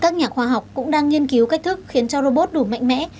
các nhà khoa học cũng đang nghiên cứu cách thức khiến cho robot đủ mạnh mẽ